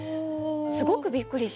すごくびっくりして。